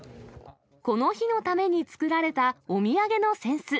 この日のために作られたお土産の扇子。